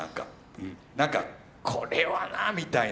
なんかこれはなみたいな。